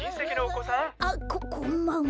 あっここんばんは。